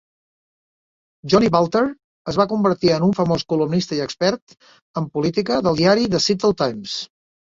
Joni Balter es va convertir en un famós columnista i expert en política del diari "The Seattle Times".